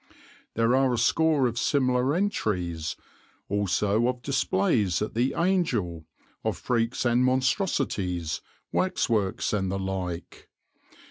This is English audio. There are a score of similar entries, also of displays at the "Angel," of freaks and monstrosities, waxworks and the like.